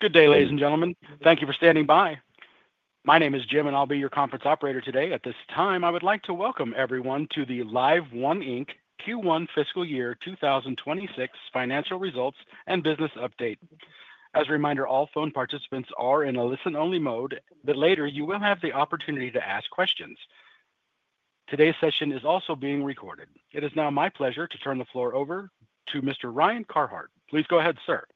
Good day, ladies and gentlemen. Thank you for standing by. My name is Jim, and I'll be your conference operator today. At this time, I would like to welcome everyone to the LiveOne Inc. Q1 Fiscal Year 2026 Financial Results and Business Update. As a reminder, all phone participants are in a listen-only mode, but later you will have the opportunity to ask questions. Today's session is also being recorded. It is now my pleasure to turn the floor over to Mr. Ryan Carhart. Please go ahead, sir.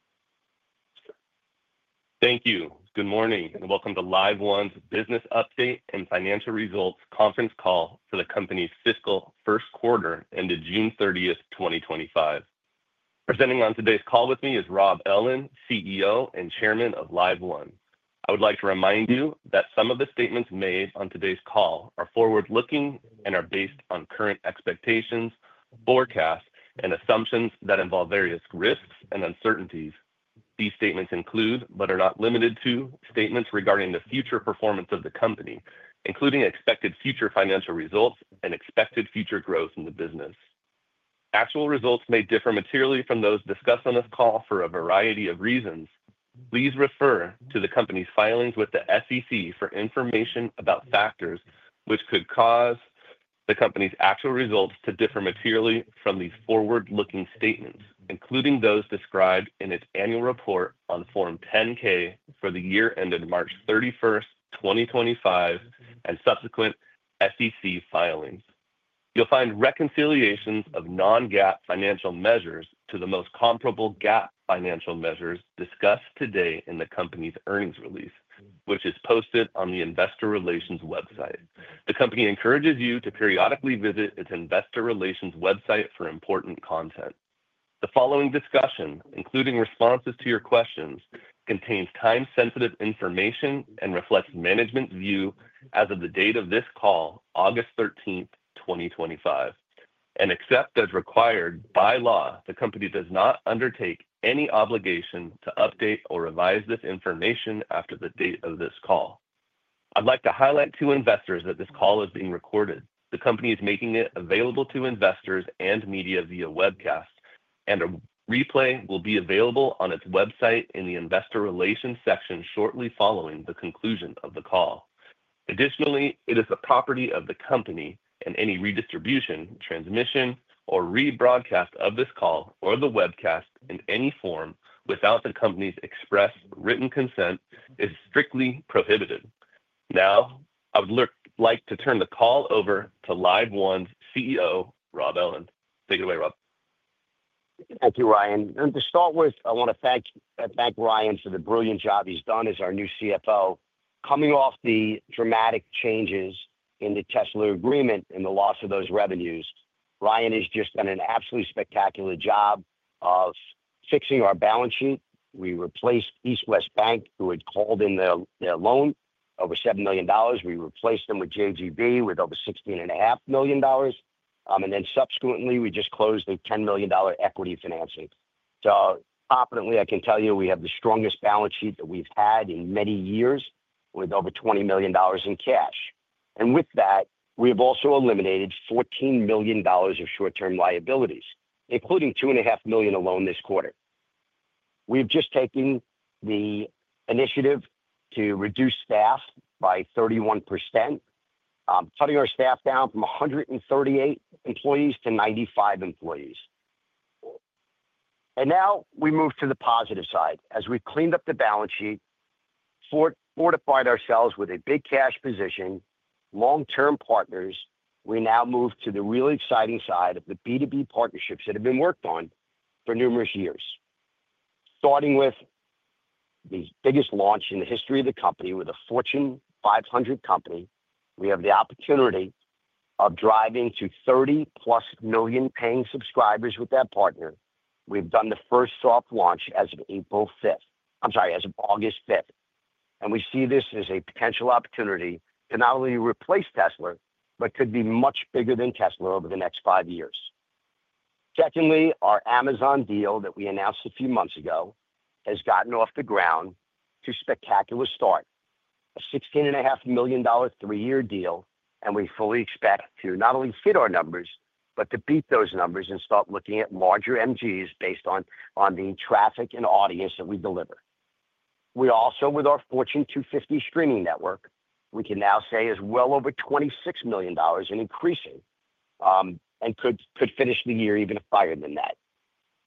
Thank you. Good morning and welcome to LiveOne's Business Update and Financial Results Conference Call for the company's fiscal first quarter ended June 30th, 2025. Presenting on today's call with me is Rob Ellin, CEO and Chairman of LiveOne. I would like to remind you that some of the statements made on today's call are forward-looking and are based on current expectations, forecasts, and assumptions that involve various risks and uncertainties. These statements include, but are not limited to, statements regarding the future performance of the company, including expected future financial results and expected future growth in the business. Actual results may differ materially from those discussed on this call for a variety of reasons. Please refer to the company's filings with the SEC for information about factors which could cause the company's actual results to differ materially from these forward-looking statements, including those described in its annual report on Form 10-K for the year ended March 31st, 2025, and subsequent SEC filings. You'll find reconciliations of non-GAAP financial measures to the most comparable GAAP financial measures discussed today in the company's earnings release, which is posted on the Investor Relations website. The company encourages you to periodically visit its Investor Relations website for important content. The following discussion, including responses to your questions, contains time-sensitive information and reflects management's view as of the date of this call, August 13th, 2025. Except as required by law, the company does not undertake any obligation to update or revise this information after the date of this call. I'd like to highlight to investors that this call is being recorded. The company is making it available to investors and media via webcast, and a replay will be available on its website in the Investor Relations section shortly following the conclusion of the call. Additionally, it is the property of the company, and any redistribution, transmission, or rebroadcast of this call or the webcast in any form without the company's express written consent is strictly prohibited. Now, I would like to turn the call over to LiveOne's CEO, Rob Ellin. Take it away, Rob. Thank you, Ryan. To start with, I want to thank Ryan for the brilliant job he's done as our new CFO, coming off the dramatic changes in the Tesla agreement and the loss of those revenues. Ryan has just done an absolutely spectacular job of fixing our balance sheet. We replaced East West Bank, who had called in their loan over $7 million. We replaced them with JGB with over $16.5 million. Subsequently, we just closed a $10 million equity financing. Confidently, I can tell you we have the strongest balance sheet that we've had in many years, with over $20 million in cash. With that, we have also eliminated $14 million of short-term liabilities, including $2.5 million alone this quarter. We've just taken the initiative to reduce staff by 31%, cutting our staff down from 138 employees to 95 employees. Now we move to the positive side. As we've cleaned up the balance sheet, fortified ourselves with a big cash position, long-term partners, we now move to the really exciting side of the B2B partnerships that have been worked on for numerous years. Starting with the biggest launch in the history of the company with a Fortune 500 company, we have the opportunity of driving to 30+ million paying subscribers with that partner. We've done the first soft launch as of August 5th. We see this as a potential opportunity to not only replace Tesla, but could be much bigger than Tesla over the next five years. Secondly, our Amazon deal that we announced a few months ago has gotten off the ground to a spectacular start. A $16.5 million three-year deal, and we fully expect to not only hit our numbers, but to beat those numbers and start looking at larger MGs based on the traffic and audience that we deliver. With our Fortune 250 streaming network, we can now say it's well over $26 million and increasing, and could finish the year even higher than that.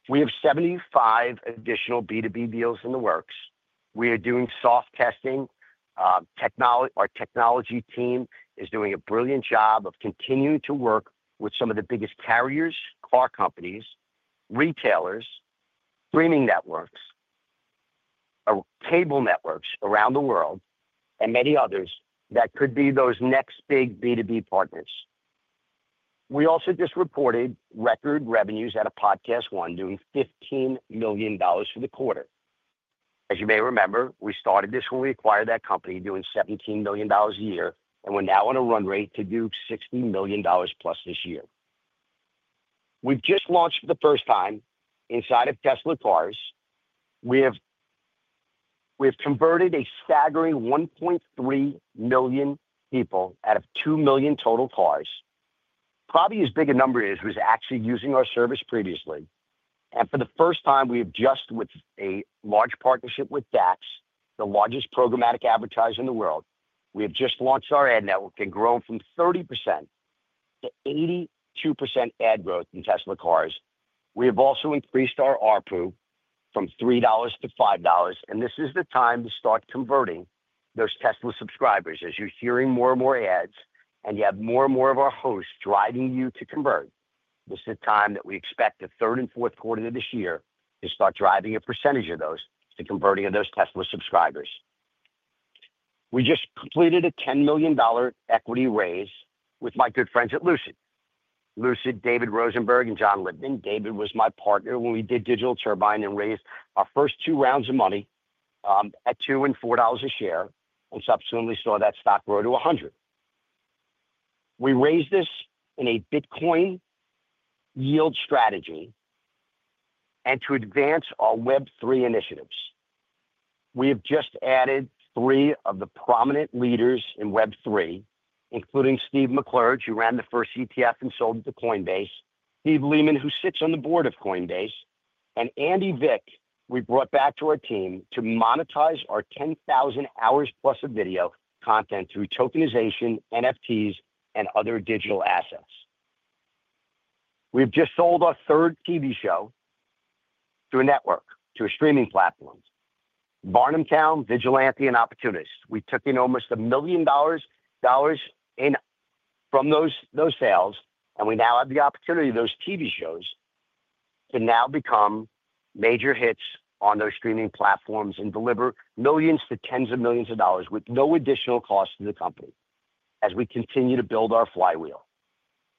We have 75 additional B2B deals in the works. We are doing soft testing. Our technology team is doing a brilliant job of continuing to work with some of the biggest carriers, car companies, retailers, streaming networks, cable networks around the world, and many others that could be those next big B2B partners. We also just reported record revenues at PodcastOne doing $15 million for the quarter. As you may remember, we started this when we acquired that company doing $17 million a year, and we're now on a run rate to do $60 million+ this year. We've just launched for the first time inside of Tesla cars. We have converted a staggering 1.3 million people out of 2 million total cars. Probably as big a number as who's actually using our service previously. For the first time, with a large partnership with DAX, the largest programmatic advertiser in the world, we have just launched our ad network and grown from 30% to 82% ad growth in Tesla cars. We have also increased our ARPU from $3 to $5, and this is the time to start converting those Tesla subscribers. As you're hearing more and more ads, and you have more and more of our hosts driving you to convert, this is the time that we expect the third and fourth quarter of this year to start driving a percentage of those to converting of those Tesla subscribers. We just completed a $10 million equity raise with my good friends at Lucid. Lucid, David Rosenberg and John Lipman. David was my partner when we did Digital Turbine and raised our first two rounds of money, at $2 and $4 a share, and subsequently saw that stock grow to $100. We raised this in a Bitcoin yield strategy and to advance our Web3 initiatives. We have just added three of the prominent leaders in Web3, including Steve McClurg, who ran the first ETF and sold it to Coinbase, Steve Lehman, who sits on the board of Coinbase, and Andy Vick, we brought back to our team to monetize our 10,000 hours plus of video content through tokenization, NFTs, and other digital assets. We have just sold our third TV show to a network, to a streaming platform, Varnamtown, Vigilante, and Opportunist. We took in almost $1 million from those sales, and we now have the opportunity of those TV shows to now become major hits on those streaming platforms and deliver millions to tens of millions of dollars with no additional cost to the company as we continue to build our flywheel.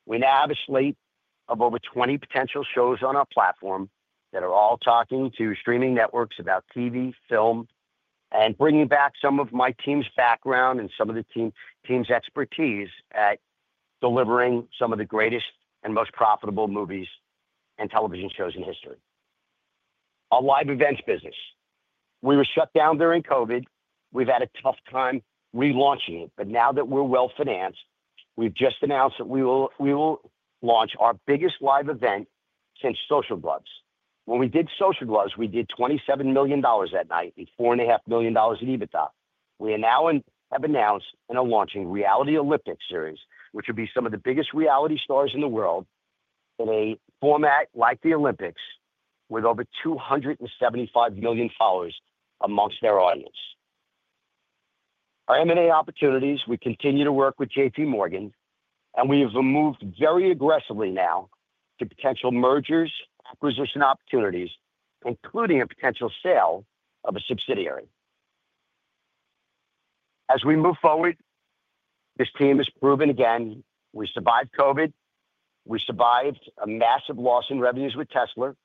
We now have a slate of over 20 potential shows on our platform that are all talking to streaming networks about TV, film, and bringing back some of my team's background and some of the team's expertise at delivering some of the greatest and most profitable movies and television shows in history. Our live events business. We were shut down during COVID. We've had a tough time relaunching it, but now that we're well financed, we've just announced that we will launch our biggest live event since Social Gloves. When we did Social Gloves, we did $27 million that night and $4.5 million in EBITDA. We now have announced and are launching reality Olympics series, which would be some of the biggest reality stars in the world in a format like the Olympics, with over 275 million followers amongst their audience. Our M&A opportunities, we continue to work with JPMorgan, and we have moved very aggressively now to potential mergers, acquisition opportunities, including a potential sale of a subsidiary. As we move forward, this team has proven again, we survived COVID. We survived a massive loss in revenues with Tesla.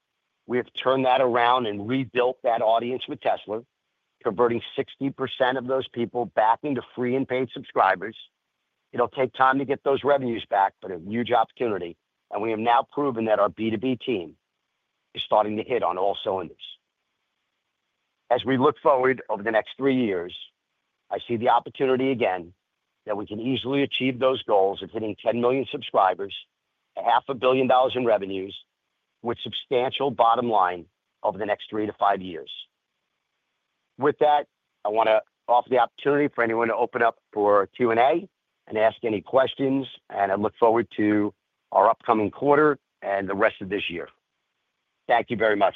We have turned that around and rebuilt that audience with Tesla, converting 60% of those people back into free and paid subscribers. It'll take time to get those revenues back, but a huge opportunity, and we have now proven that our B2B team is starting to hit on all cylinders. As we look forward over the next three years, I see the opportunity again that we can easily achieve those goals of hitting 10 million subscribers and $500 million in revenues with substantial bottom line over the next three to five years. With that, I want to offer the opportunity for anyone to open up for Q&A and ask any questions, and I look forward to our upcoming quarter and the rest of this year. Thank you very much.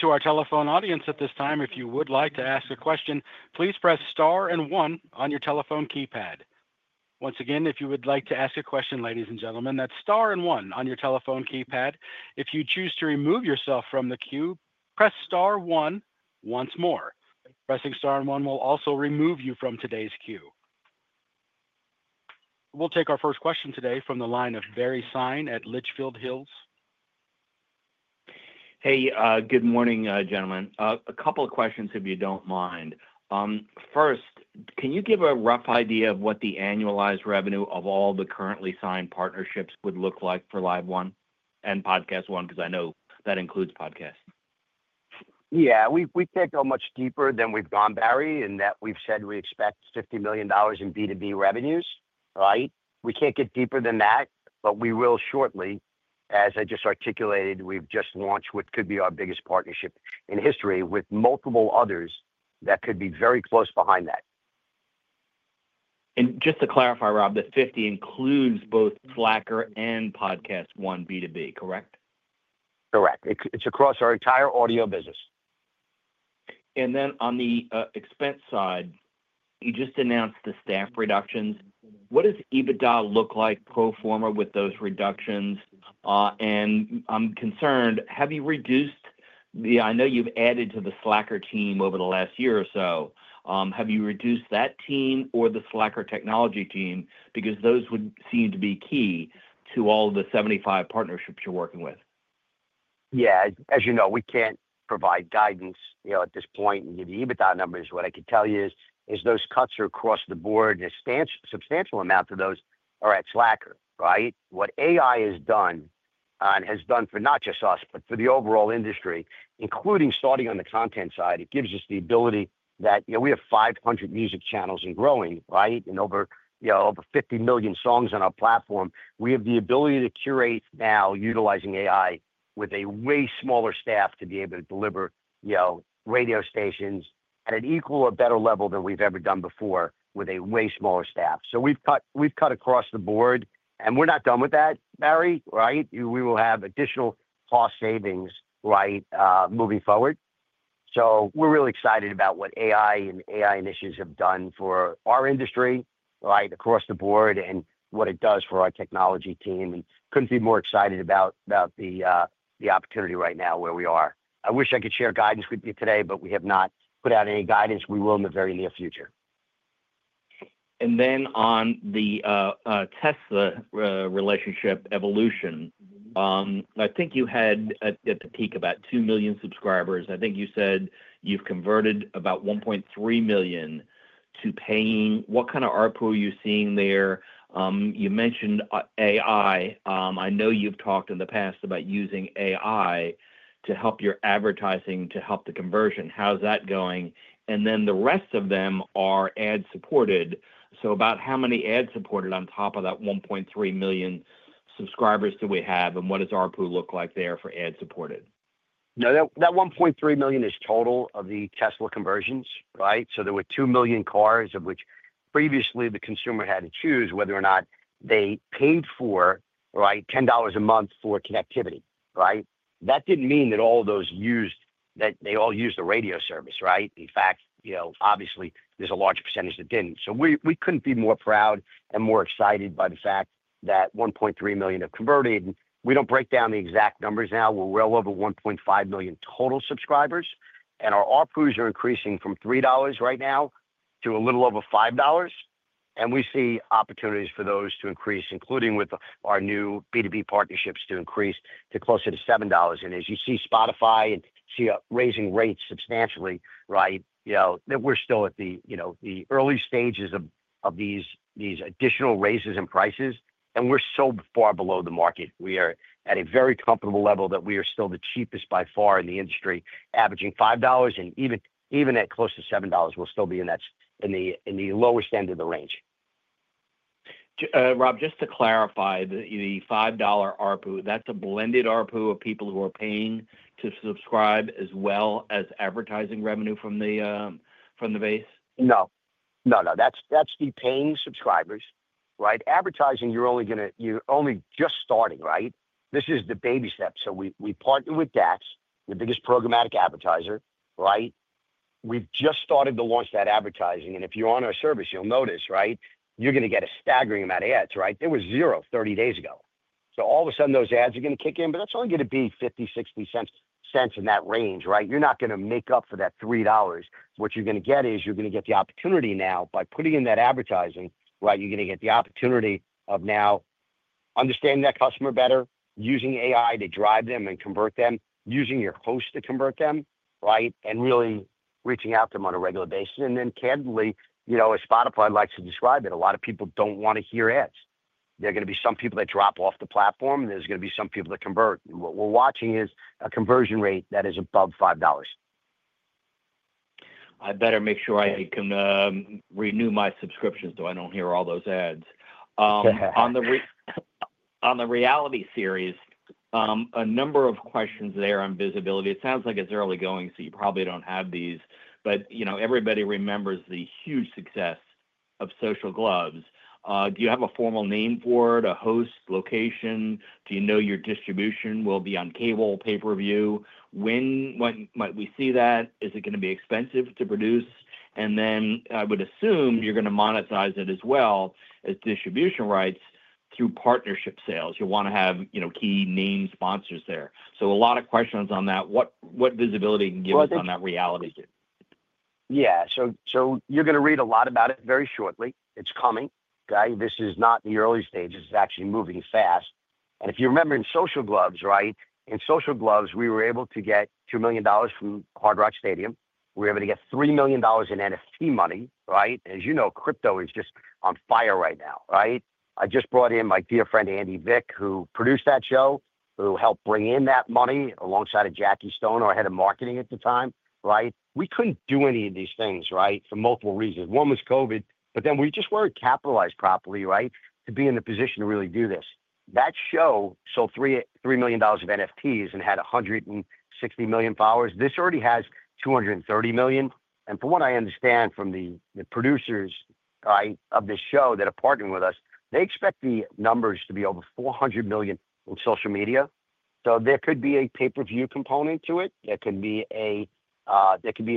To our telephone audience at this time, if you would like to ask a question, please press star and one on your telephone keypad. Once again, if you would like to ask a question, ladies and gentlemen, that's star and one on your telephone keypad. If you choose to remove yourself from the queue, press star one once more. Pressing star and one will also remove you from today's queue. We'll take our first question today from the line of Barry Sine at Litchfield Hills. Hey, good morning, gentlemen. A couple of questions, if you don't mind. First, can you give a rough idea of what the annualized revenue of all the currently signed partnerships would look like for LiveOne and PodcastOne, because I know that includes Podcast? Yeah, we can't go much deeper than we've gone, Barry, in that we've said we expect $50 million in B2B revenues, right? We can't get deeper than that, but we will shortly. As I just articulated, we've just launched what could be our biggest partnership in history with multiple others that could be very close behind that. Just to clarify, Rob, the $50 million includes both Slacker and PodcastOne B2B, correct? Correct. It's across our entire audio business. On the expense side, you just announced the staff reductions. What does EBITDA look like pro forma with those reductions? I'm concerned, have you reduced the, I know you've added to the Slacker team over the last year or so, have you reduced that team or the Slacker technology team? Those would seem to be key to all of the 75 partnerships you're working with. Yeah, as you know, we can't provide guidance at this point and give you EBITDA numbers. What I can tell you is those cuts are across the board and a substantial amount of those are at Slacker, right? What AI has done and has done for not just us, but for the overall industry, including starting on the content side, it gives us the ability that we have 500 music channels and growing, right? And over 50 million songs on our platform. We have the ability to curate now utilizing AI with a way smaller staff to be able to deliver radio stations at an equal or better level than we've ever done before with a way smaller staff. We've cut across the board and we're not done with that, Barry, right? We will have additional cost savings, right, moving forward. We're really excited about what AI and AI initiatives have done for our industry, right, across the board and what it does for our technology team. Couldn't be more excited about the opportunity right now where we are. I wish I could share guidance with you today, but we have not put out any guidance. We will in the very near future. On the Tesla relationship evolution, I think you had at the peak about 2 million subscribers. I think you said you've converted about 1.3 million to paying. What kind of ARPU are you seeing there? You mentioned AI. I know you've talked in the past about using AI to help your advertising to help the conversion. How's that going? The rest of them are ad-supported. About how many ad-supported on top of that 1.3 million subscribers do we have and what does ARPU look like there for ad-supported? No, that 1.3 million is total of the Tesla conversions, right? There were 2 million cars of which previously the consumer had to choose whether or not they paid for $10 a month for connectivity, right? That didn't mean that all of those used, that they all used the radio service, right? In fact, obviously there's a large percentage that didn't. We couldn't be more proud and more excited by the fact that 1.3 million have converted. We don't break down the exact numbers now. We're well over 1.5 million total subscribers, and our ARPUs are increasing from $3 right now to a little over $5. We see opportunities for those to increase, including with our new B2B partnerships to increase to closer to $7. As you see Spotify and see raising rates substantially, we're still at the early stages of these additional raises in prices. We're so far below the market. We are at a very comfortable level that we are still the cheapest by far in the industry, averaging $5. Even at close to $7, we'll still be in the lowest end of the range. Rob, just to clarify, the $5 ARPU, that's a blended ARPU of people who are paying to subscribe as well as advertising revenue from the base? No, no, no. That's the paying subscribers, right? Advertising, you're only going to, you're only just starting, right? This is the baby steps. We partnered with DAX, the biggest programmatic advertiser, right? We've just started to launch that advertising. If you're on our service, you'll notice, right? You're going to get a staggering amount of ads, right? There was zero 30 days ago. All of a sudden, those ads are going to kick in, but that's only going to be $0.50, $0.60 in that range, right? You're not going to make up for that $3. What you're going to get is you're going to get the opportunity now by putting in that advertising, right? You're going to get the opportunity of now understanding that customer better, using AI to drive them and convert them, using your host to convert them, right? Really reaching out to them on a regular basis. Candidly, you know, as Spotify likes to describe it, a lot of people don't want to hear ads. There are going to be some people that drop off the platform, and there's going to be some people that convert. What we're watching is a conversion rate that is above $5. I better make sure I can renew my subscription so I don't hear all those ads. On the reality series, a number of questions there on visibility. It sounds like it's early going, so you probably don't have these, but you know, everybody remembers the huge success of Social Gloves. Do you have a formal name for it, a host, location? Do you know your distribution will be on cable, pay-per-view? When might we see that? Is it going to be expensive to produce? I would assume you're going to monetize it as well as distribution rights through partnership sales. You'll want to have, you know, key name sponsors there. A lot of questions on that. What visibility can you give us on that reality? Yeah, so you are going to read a lot about it very shortly. It's coming, guys. This is not in the early stages. It's actually moving fast. If you remember in Social Gloves, right, in Social Gloves, we were able to get $2 million from Hard Rock Stadium. We were able to get $3 million in NFT money, right? As you know, crypto is just on fire right now, right? I just brought in my dear friend Andy Vick, who produced that show, who helped bring in that money alongside a Jackie Stone, our Head of Marketing at the time, right? We couldn't do any of these things, right, for multiple reasons. One was COVID, but then we just weren't capitalized properly, right, to be in the position to really do this. That show sold $3 million of NFTs and had 160 million followers. This already has 230 million. From what I understand from the producers, right, of this show that are partnering with us, they expect the numbers to be over 400 million on social media. There could be a pay-per-view component to it. There could be a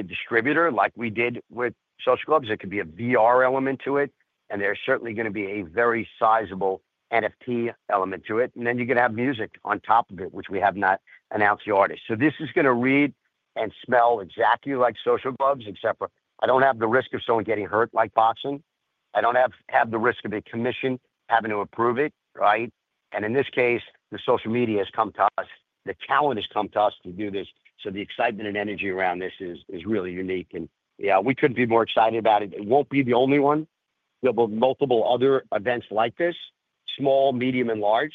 distributor like we did with Social Gloves. There could be a VR element to it. There is certainly going to be a very sizable NFT element to it. You are going to have music on top of it, which we have not announced the artist. This is going to read and smell exactly like Social Gloves, except for I don't have the risk of someone getting hurt like boxing. I don't have the risk of a commission having to approve it, right? In this case, the social media has come to us. The talent has come to us to do this. The excitement and energy around this is really unique. Yeah, we couldn't be more excited about it. It won't be the only one. We have multiple other events like this, small, medium, and large.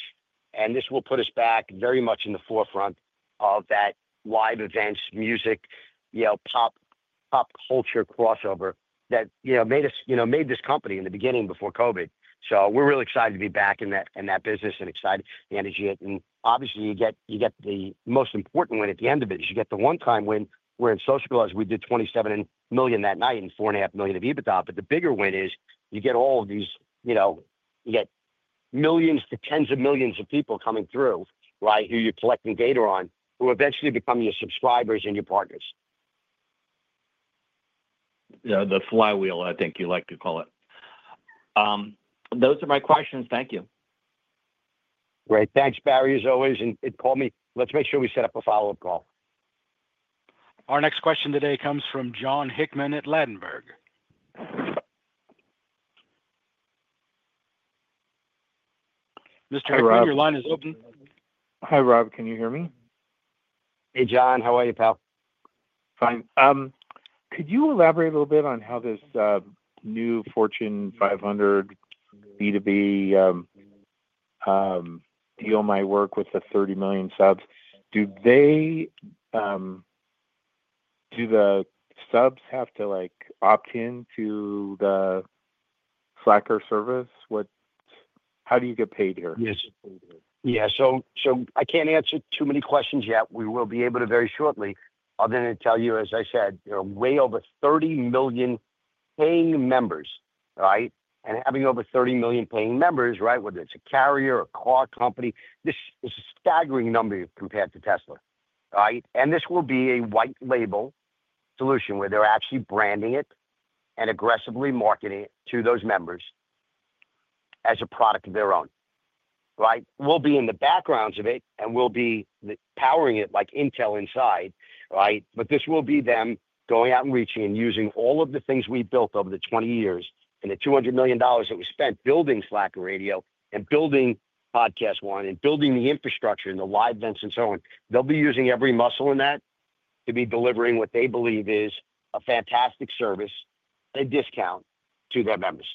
This will put us back very much in the forefront of that live events, music, pop culture crossover that made us, made this company in the beginning before COVID. We are really excited to be back in that business and excited to manage it. Obviously, you get the most important win at the end of it. You get the one-time win where in Social Gloves, we did $27 million that night and $4.5 million of EBITDA. The bigger win is you get all of these, you get millions to tens of millions of people coming through, right, who you are collecting data on, who eventually become your subscribers and your partners. The flywheel, I think you like to call it. Those are my questions. Thank you. Great. Thanks, Barry, as always. Call me. Let's make sure we set up a follow-up call. Our next question today comes from Jon Hickman at Ladenburg. Mr. Hickman, your line is open. Hi, Rob. Can you hear me? Hey, Jonn. How are you, pal? Fine. Could you elaborate a little bit on how this new Fortune 500 B2B deal might work with the 30 million subs? Do the subs have to opt in to the Slacker service? How do you get paid here? Yes. I can't answer too many questions yet. We will be able to very shortly. I'll then tell you, as I said, way over 30 million paying members, right? Having over 30 million paying members, whether it's a carrier or car company, this is a staggering number compared to Tesla, right? This will be a white label solution where they're actually branding it and aggressively marketing it to those members as a product of their own, right? We'll be in the backgrounds of it and we'll be powering it like Intel inside, right? This will be them going out and reaching and using all of the things we've built over the 20 years and the $200 million that we spent building Slacker Radio and building PodcastOne and building the infrastructure and the live events and so on. They'll be using every muscle in that to be delivering what they believe is a fantastic service at a discount to their members.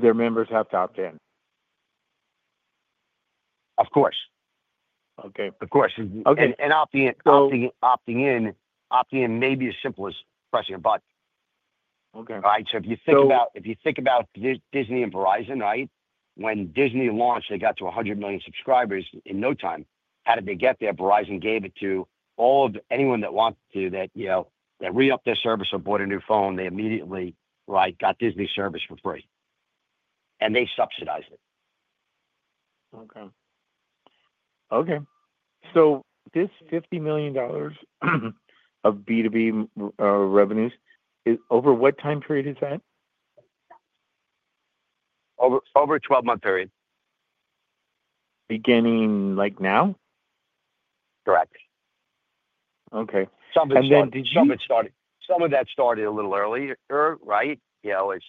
Their members have to opt in. Of course. Okay, of course. Opting in, opting in may be as simple as pressing a button. Okay. If you think about Disney and Verizon, when Disney launched, they got to 100 million subscribers in no time. How did they get there? Verizon gave it to anyone that wanted to, that re-up their service or bought a new phone, they immediately got Disney service for free. They subsidized it. Okay. This $50 million of B2B revenues, is over what time period is that? Over a 12-month period. Beginning now? Correct. Okay. Did you? Some of it started a little earlier, right? As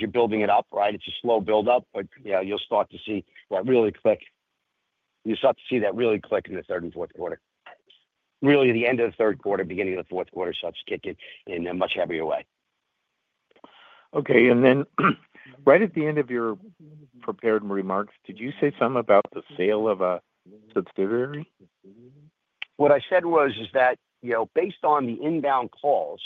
you're building it up, it's a slow build-up, but you'll start to see that really quick. You'll start to see that really quick in the third and fourth quarter. Really, the end of the third quarter, beginning of the fourth quarter, starts kicking in a much heavier way. Okay. Right at the end of your prepared remarks, did you say something about the sale of a subsidiary? What I said was that, you know, based on the inbound calls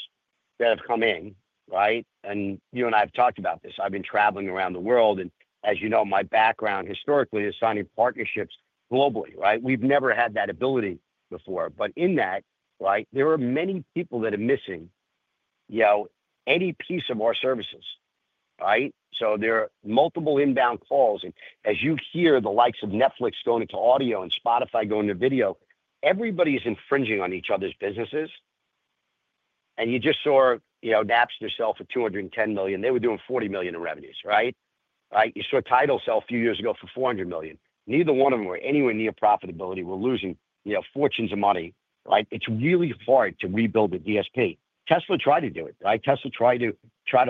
that have come in, right? You and I have talked about this. I've been traveling around the world. As you know, my background historically is signing partnerships globally, right? We've never had that ability before. In that, right, there are many people that are missing, you know, any piece of our services, right? There are multiple inbound calls. As you hear the likes of Netflix going into audio and Spotify going into video, everybody is infringing on each other's businesses. You just saw, you know, Napster sell for $210 million. They were doing $40 million in revenues, right? You saw Tidal sell a few years ago for $400 million. Neither one of them were anywhere near profitability. We're losing, you know, fortunes of money, right? It's really hard to rebuild the DSP. Tesla tried to do it, right? Tesla tried to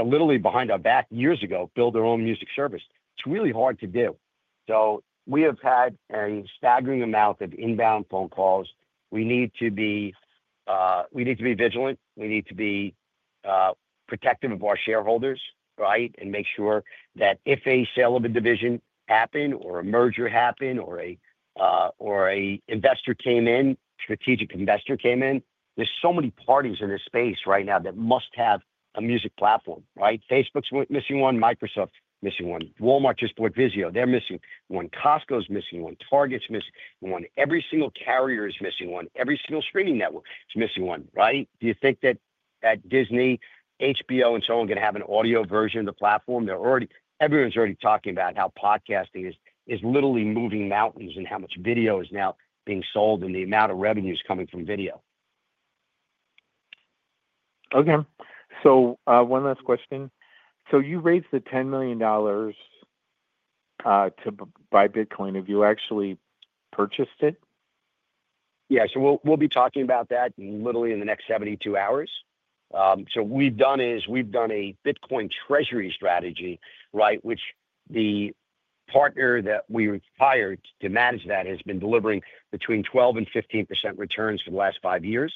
literally behind our back years ago build their own music service. It's really hard to do. We have had a staggering amount of inbound phone calls. We need to be vigilant. We need to be protective of our shareholders, right? Make sure that if a sale of a division happened or a merger happened or an investor came in, strategic investor came in, there's so many parties in this space right now that must have a music platform, right? Facebook's missing one, Microsoft's missing one. Walmart just bought Visio. They're missing one. Costco's missing one. Target's missing one. Every single carrier is missing one. Every single streaming network is missing one, right? Do you think that Disney, HBO, and so on are going to have an audio version of the platform? They're already, everyone's already talking about how podcasting is literally moving mountains and how much video is now being sold and the amount of revenue is coming from video. Okay. One last question. You raised the $10 million to buy Bitcoin. Have you actually purchased it? Yeah. We'll be talking about that literally in the next 72 hours. What we've done is we've done a Bitcoin treasury strategy, right, which the partner that we've hired to manage that has been delivering between 12% and 15% returns for the last five years.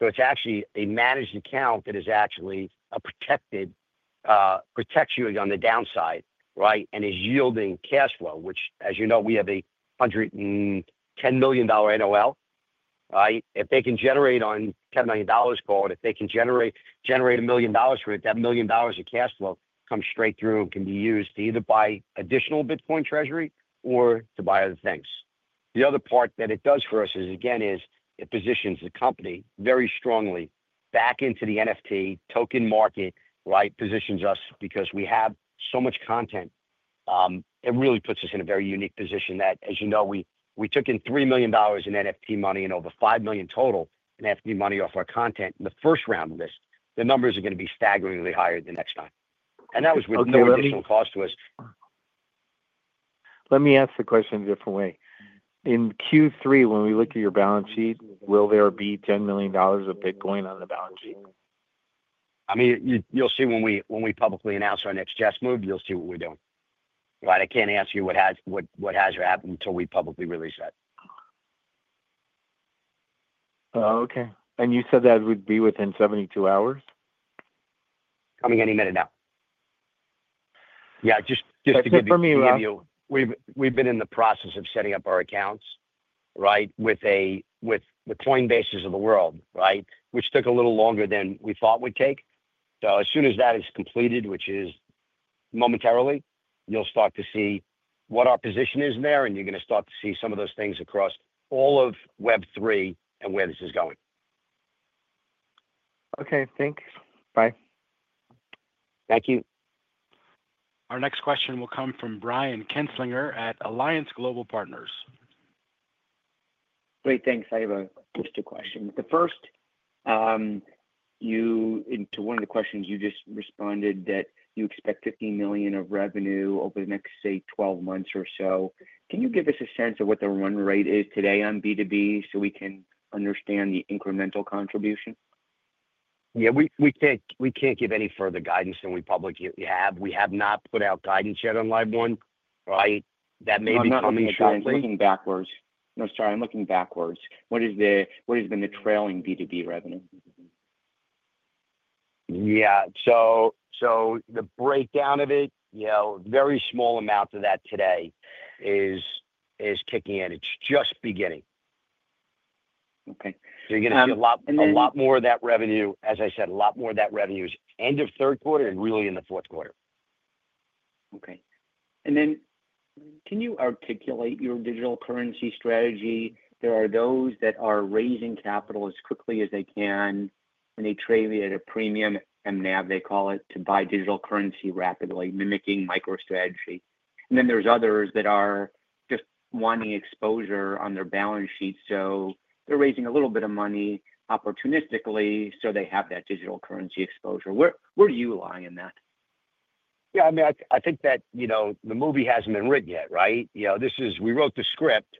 It's actually a managed account that is actually protected, it protects you on the downside, right, and is yielding cash flow, which, as you know, we have a $110 million NOL, right? If they can generate on a $10 million call, and if they can generate $1 million for it, that $1 million of cash flow comes straight through and can be used to either buy additional Bitcoin treasury or to buy other things. The other part that it does for us is, again, it positions the company very strongly back into the NFT/token market, right? It positions us because we have so much content. It really puts us in a very unique position that, as you know, we took in $3 million in NFT money and over $5 million total in NFT money off our content in the first round of this. The numbers are going to be staggeringly higher the next time. That was with no additional cost to us. Let me ask the question in a different way. In Q3, when we look at your balance sheet, will there be $10 million of Bitcoin on the balance sheet? I mean, you'll see when we publicly announce our next chess move, you'll see what we're doing. Right? I can't ask you what has happened until we publicly release that. Okay, you said that would be within 72 hours? Coming any minute now. Just to give you a review, we've been in the process of setting up our accounts with the Coinbases of the world, which took a little longer than we thought it would take. As soon as that is completed, which is momentarily, you'll start to see what our position is there, and you're going to start to see some of those things across all of Web3 and where this is going. Okay. Thanks. Bye. Thank you. Our next question will come from Brian Kinstlinger at Alliance Global Partners. Great, thanks. I have a list of questions. The first, to one of the questions you just responded, that you expect $15 million of revenue over the next, say, 12 months or so. Can you give us a sense of what the run rate is today on B2B so we can understand the incremental contribution? Yeah, we can't give any further guidance than we publicly have. We have not put out guidance yet on LiveOne, right? That may be coming soon. I'm looking backwards. What has been the trailing B2B revenue? Yeah, the breakdown of it, you know, very small amounts of that today is kicking in. It's just beginning. Okay. You are going to see a lot more of that revenue. As I said, a lot more of that revenue is end of third quarter and really in the fourth quarter. Okay. Can you articulate your digital currency strategy? There are those that are raising capital as quickly as they can, and they trade it at a premium, and they have, they call it, to buy digital currency rapidly, mimicking MicroStrategy. There are others that are just wanting exposure on their balance sheet, so they're raising a little bit of money opportunistically, so they have that digital currency exposure. Where do you lie in that? Yeah, I mean, I think that, you know, the movie hasn't been written yet, right? You know, this is, we wrote the script.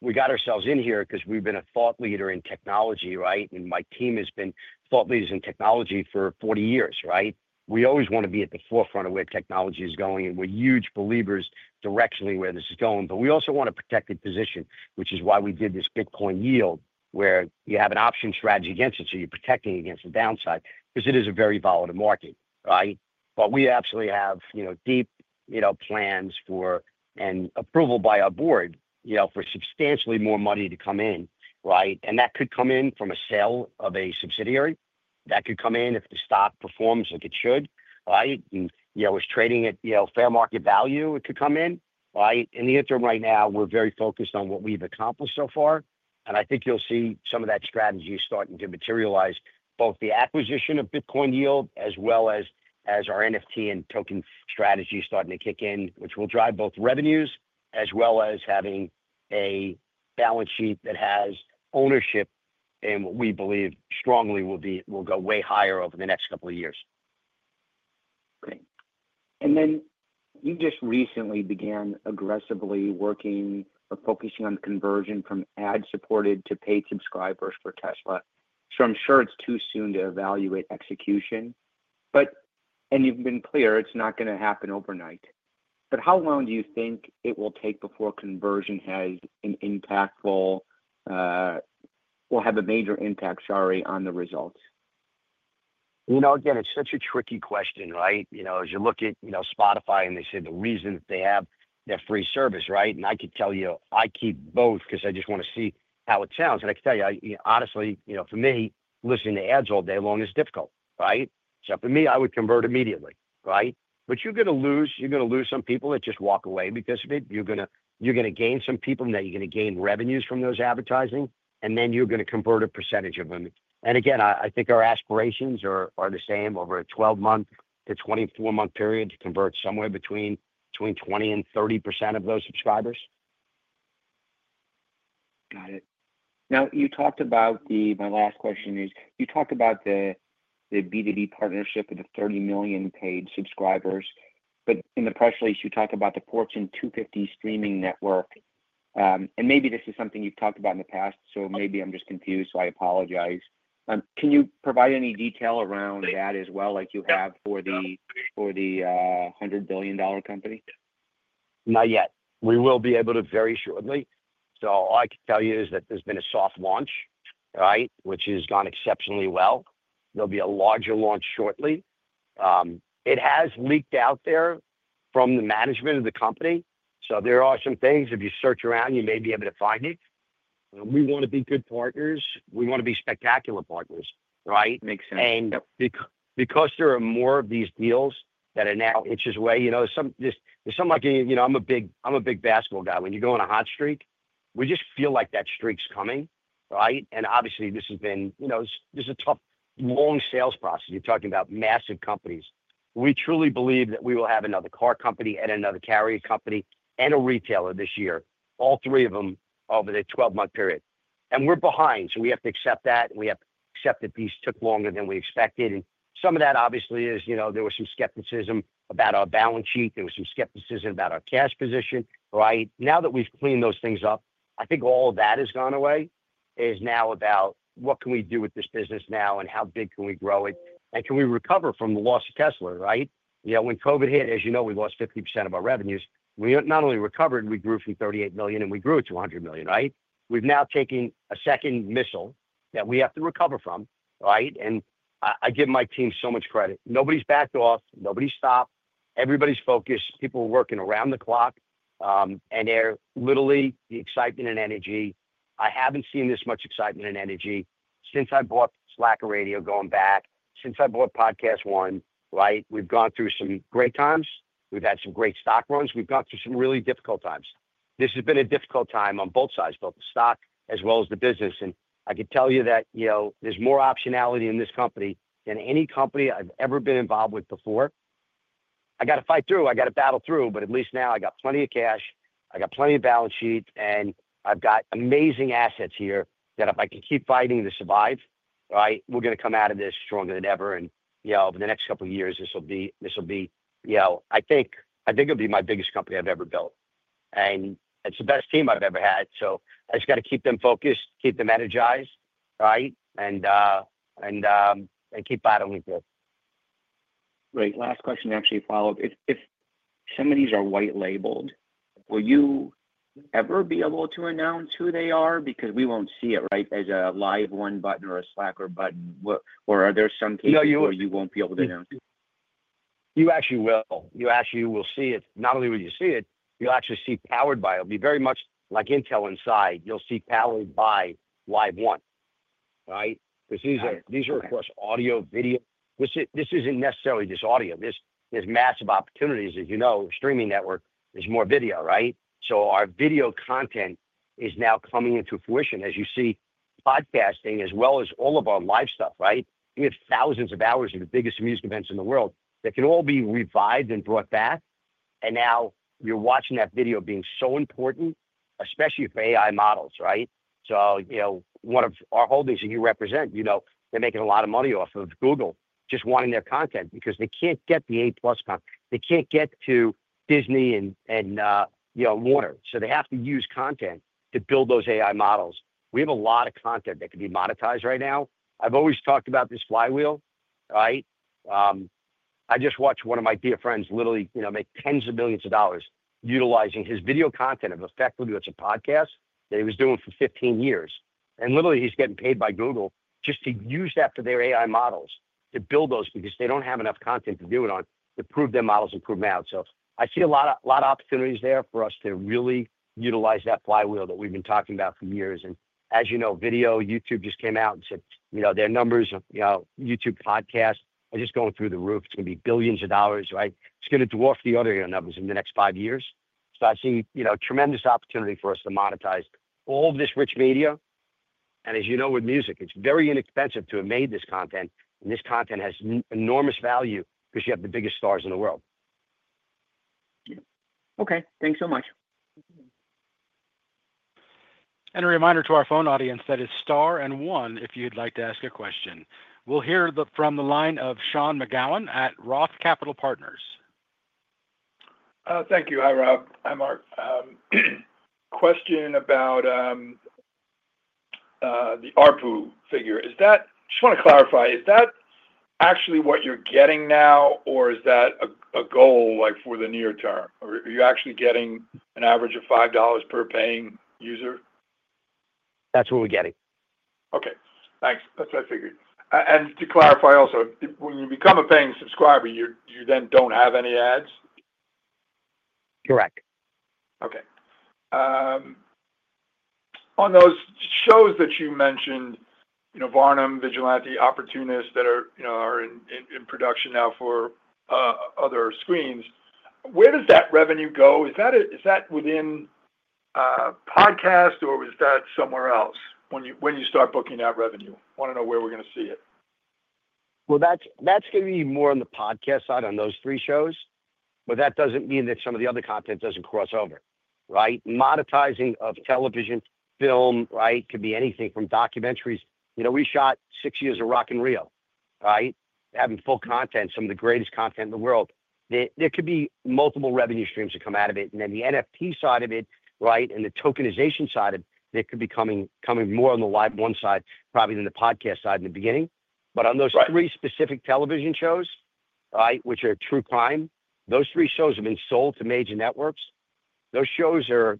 We got ourselves in here because we've been a thought leader in technology, right? My team has been thought leaders in technology for 40 years, right? We always want to be at the forefront of where technology is going, and we're huge believers directionally where this is going. We also want a protected position, which is why we did this Bitcoin yield, where you have an option strategy against it, so you're protecting against the downside, because it is a very volatile market, right? We absolutely have, you know, deep, you know, plans for and approval by our board, you know, for substantially more money to come in, right? That could come in from a sale of a subsidiary. That could come in if the stock performs like it should, right? You know, it's trading at, you know, fair market value. It could come in, right? In the interim right now, we're very focused on what we've accomplished so far. I think you'll see some of that strategy starting to materialize, both the acquisition of Bitcoin yield, as well as our NFT and token strategy starting to kick in, which will drive both revenues, as well as having a balance sheet that has ownership in what we believe strongly will go way higher over the next couple of years. Okay. You just recently began aggressively working or focusing on the conversion from ad-supported to paid subscribers for Tesla. I'm sure it's too soon to evaluate execution, and you've been clear it's not going to happen overnight. How long do you think it will take before conversion will have a major impact on the results? You know, again, it's such a tricky question, right? You know, as you look at, you know, Spotify and they say the reason they have their free service, right? I could tell you, I keep both because I just want to see how it sounds. I can tell you, honestly, for me, listening to ads all day long is difficult, right? For me, I would convert immediately, right? You're going to lose, you're going to lose some people that just walk away because of it. You're going to gain some people and you're going to gain revenues from those advertising and then you're going to convert a percentage of them. I think our aspirations are the same over a 12-month to 24-month period to convert somewhere between 20% and 30% of those subscribers. Got it. Now you talked about the B2B partnership and the 30 million paid subscribers. In the press release, you talk about the Fortune 250 streaming network. Maybe this is something you've talked about in the past, so maybe I'm just confused, so I apologize. Can you provide any detail around that as well, like you have for the $100 billion company? Not yet. We will be able to very shortly. All I can tell you is that there's been a soft launch, which has gone exceptionally well. There will be a larger launch shortly. It has leaked out there from the management of the company. There are some things, if you search around, you may be able to find it. We want to be good partners. We want to be spectacular partners, right? Makes sense. Because there are more of these deals that are now inches away, there's something like a, you know, I'm a big basketball guy. When you go on a hot streak, we just feel like that streak's coming, right? Obviously, this has been a tough long sales process. You're talking about massive companies. We truly believe that we will have another car company and another carrier company and a retailer this year, all three of them over the 12-month period. We're behind, so we have to accept that. We have to accept that these took longer than we expected. Some of that obviously is, there was some skepticism about our balance sheet. There was some skepticism about our cash position, right? Now that we've cleaned those things up, I think all of that has gone away. It's now about what can we do with this business now and how big can we grow it? Can we recover from the loss of Tesla, right? When COVID hit, as you know, we lost 50% of our revenues. We not only recovered, we grew from $38 million and we grew to $100 million, right? We've now taken a second missile that we have to recover from, right? I give my team so much credit. Nobody's backed off. Nobody stopped. Everybody's focused. People are working around the clock, and there's literally the excitement and energy. I haven't seen this much excitement and energy since I bought Slacker Radio going back, since I bought PodcastOne, right? We've gone through some great times. We've had some great stock runs. We've gone through some really difficult times. This has been a difficult time on both sides, both the stock as well as the business. I can tell you that there's more optionality in this company than any company I've ever been involved with before. I got to fight through. I got to battle through. At least now I got plenty of cash. I got plenty of balance sheet. I've got amazing assets here that if I can keep fighting to survive, right, we're going to come out of this stronger than ever. Over the next couple of years, this will be, you know, I think it'll be my biggest company I've ever built. It's the best team I've ever had. I just got to keep them focused, keep them energized, right, and keep battling through. Great. Last question to actually follow up. If some of these are white labeled, will you ever be able to announce who they are? Because we won't see it, right, as a LiveOne button or a Slacker button. Are there some cases where you won't be able to announce? You actually will. You actually will see it. Not only will you see it, you'll actually see powered by it. It'll be very much like Intel inside. You'll see powered by LiveOne, right? Because these are, of course, audio, video. This isn't necessarily just audio. There's massive opportunities, as you know, streaming network is more video, right? Our video content is now coming into fruition, as you see, podcasting as well as all of our live stuff, right? We have thousands of hours of the biggest music events in the world that can all be revived and brought back. Now you're watching that video being so important, especially for AI models, right? One of our holdings that you represent, they're making a lot of money off of Google just wanting their content because they can't get the A+ content. They can't get to Disney and, you know, Warner. They have to use content to build those AI models. We have a lot of content that could be monetized right now. I've always talked about this flywheel, right? I just watched one of my dear friends literally make tens of millions of dollars utilizing his video content of effectively what's a podcast that he was doing for 15 years. Literally, he's getting paid by Google just to use that for their AI models to build those because they don't have enough content to do it on, to prove their models and prove them out. I see a lot of opportunities there for us to really utilize that flywheel that we've been talking about for years. As you know, video, YouTube just came out and said their numbers, you know, YouTube podcasts are just going through the roof. It's going to be billions of dollars, right? It's going to dwarf the other numbers in the next five years. I see tremendous opportunity for us to monetize all of this rich media. As you know, with music, it's very inexpensive to have made this content. This content has enormous value because you have the biggest stars in the world. Yeah, okay. Thanks so much. A reminder to our phone audience that it is star and one if you'd like to ask a question. We'll hear from the line of Sean McGowan at ROTH Capital Partners. Thank you. Hi, Rob. Hi, Mark. Question about the ARPU figure. Is that, I just want to clarify, is that actually what you're getting now, or is that a goal like for the near term? Or are you actually getting an average of $5 per paying user? That's what we're getting. Okay. Thanks. That's what I figured. To clarify also, when you become a paying subscriber, you then don't have any ads? Correct. Okay. On those shows that you mentioned, you know, Varnamtown, Vigilante, Opportunist that are, you know, are in production now for other screens, where does that revenue go? Is that within podcast or is that somewhere else when you start booking out revenue? I want to know where we're going to see it. That is going to be more on the podcast side on those three shows. That does not mean that some of the other content does not cross over, right? Monetizing of television, film, could be anything from documentaries. You know, we shot six years of Rock in Rio, right? Having full content, some of the greatest content in the world. There could be multiple revenue streams that come out of it. The NFT side of it, and the tokenization side of it, could be coming more on the LiveOne side, probably than the podcast side in the beginning. On those three specific television shows, which are true crime, those three shows have been sold to major networks. Those shows are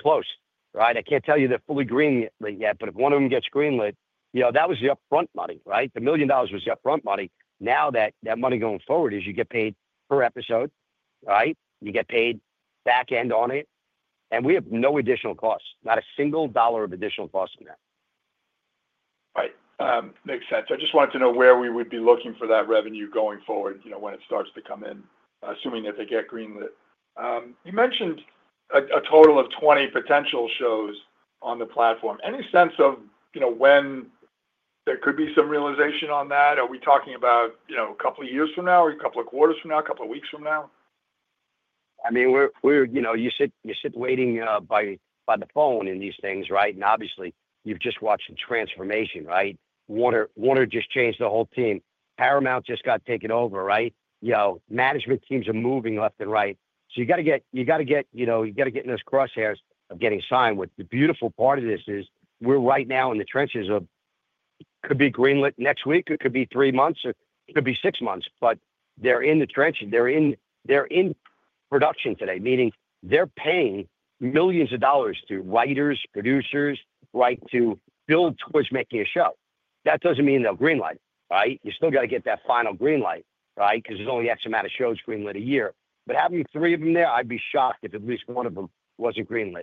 close, right? I cannot tell you they are fully greenlit yet, but if one of them gets greenlit, that was the upfront money, right? The $1 million was the upfront money. Now that money going forward is you get paid per episode, you get paid back end on it, and we have no additional costs, not a single dollar of additional costs in there. Right. Makes sense. I just wanted to know where we would be looking for that revenue going forward, you know, when it starts to come in, assuming that they get greenlit. You mentioned a total of 20 potential shows on the platform. Any sense of, you know, when there could be some realization on that? Are we talking about, you know, a couple of years from now or a couple of quarters from now, a couple of weeks from now? I mean, you sit waiting by the phone in these things, right? Obviously, you've just watched the transformation, right? Warner just changed the whole team. Paramount just got taken over, right? Management teams are moving left and right. You got to get in those crosshairs of getting signed. The beautiful part of this is we're right now in the trenches of, it could be greenlit next week, it could be three months, or it could be six months, but they're in the trenches. They're in production today, meaning they're paying millions of dollars to writers, producers, to build towards making a show. That doesn't mean they'll greenlight, right? You still got to get that final greenlight, right? There's only X amount of shows greenlit a year. Having three of them there, I'd be shocked if at least one of them wasn't greenlit.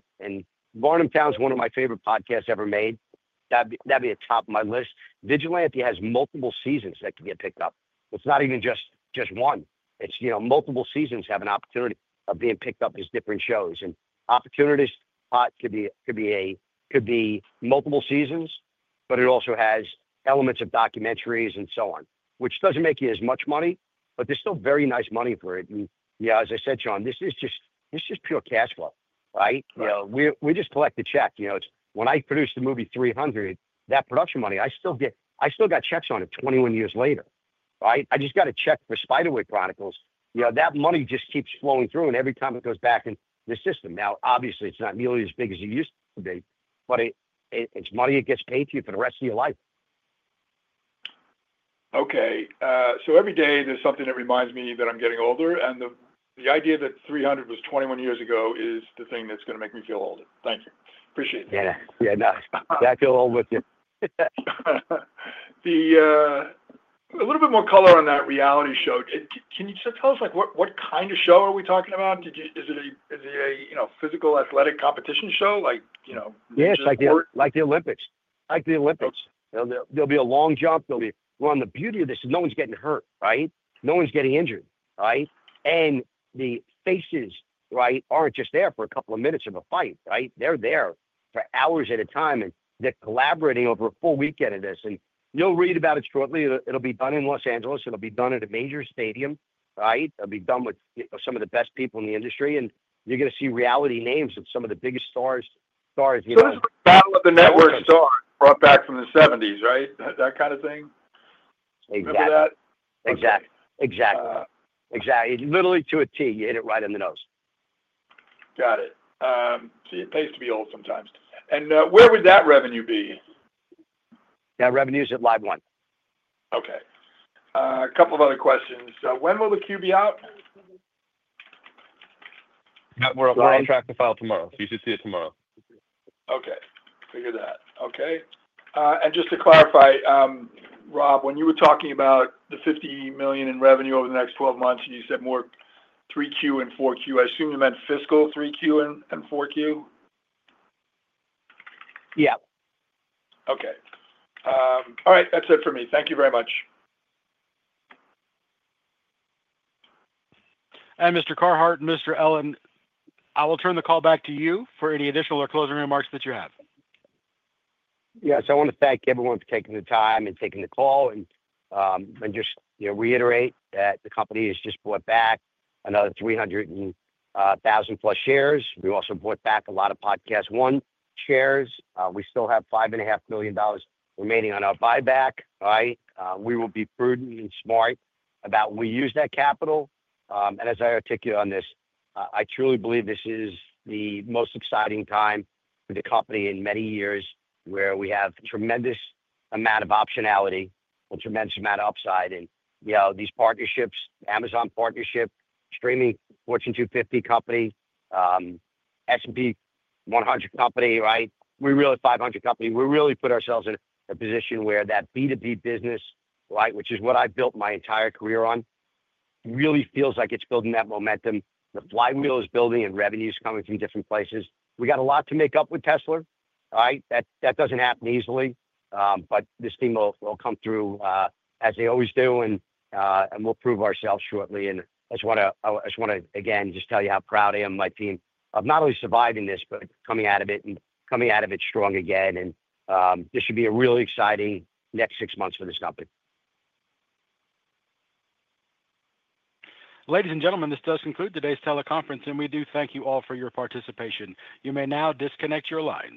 Varnamtown is one of my favorite podcasts ever made. That'd be the top of my list. Vigilante has multiple seasons that can get picked up. It's not even just one. Multiple seasons have an opportunity of being picked up as different shows. Opportunist could be multiple seasons, but it also has elements of documentaries and so on, which doesn't make you as much money, but there's still very nice money for it. As I said, Sean, this is just pure cash flow, right? We just collect the check. When I produced the movie 300, that production money, I still get, I still got checks on it 21 years later, right? I just got a check for Spiderwick Chronicles. That money just keeps flowing through and every time it goes back in the system. Obviously, it's not nearly as big as it used to be, but it's money that gets paid to you for the rest of your life. Every day there's something that reminds me that I'm getting older. The idea that 300 was 21 years ago is the thing that's going to make me feel old. Thank you. Appreciate it. Yeah, I feel old with you. A little bit more color on that reality show. Can you just tell us what kind of show are we talking about? Is it a physical athletic competition show, like, you know? Yeah, it's like the Olympics. Like the Olympics. There'll be a long jump. The beauty of this is no one's getting hurt, right? No one's getting injured, right? The faces, right, aren't just there for a couple of minutes of a fight, right? They're there for hours at a time, and they're collaborating over a full weekend of this. You'll read about it shortly. It'll be done in Los Angeles. It'll be done at a major stadium, right? It'll be done with some of the best people in the industry. You're going to see reality names of some of the biggest stars. It's like the Battle of the Network Stars brought back from the 1970s, right? That kind of thing? Exactly. Exactly. Exactly. Exactly. Literally to a T, you hit it right on the nose. Got it. See, it pays to be old sometimes. Where would that revenue be? That revenue is at LiveOne. Okay. A couple of other questions. When will the Q be out? We're on track to file tomorrow. You should see it tomorrow. Okay. Figure that. Okay. Just to clarify, Rob, when you were talking about the $50 million in revenue over the next 12 months, and you said more 3Q and 4Q, I assume you meant fiscal 3Q and 4Q? Yeah. Okay. All right. That's it for me. Thank you very much. Mr. Carhart and Mr. Ellin, I'll turn the call back to you for any additional or closing remarks that you have. Yeah. I want to thank everyone for taking the time and taking the call. I just reiterate that the company has just bought back another 300,000+ shares. We've also bought back a lot of PodcastOne shares. We still have $5.5 million remaining on our buyback, right? We will be prudent and smart about when we use that capital. As I articulate on this, I truly believe this is the most exciting time for the company in many years where we have a tremendous amount of optionality and a tremendous amount of upside. These partnerships, Amazon partnership, streaming Fortune 250 company, S&P 100 company, right? We're really a 500 company. We really put ourselves in a position where that B2B business, right, which is what I built my entire career on, really feels like it's building that momentum. The flywheel is building and revenue is coming from different places. We got a lot to make up with Tesla, right? That doesn't happen easily. This team will come through as they always do, and we'll prove ourselves shortly. I just want to again just tell you how proud I am of my team of not only surviving this, but coming out of it and coming out of it strong again. This should be a really exciting next six months for this company. Ladies and gentlemen, this does conclude today's teleconference, and we do thank you all for your participation. You may now disconnect your lines.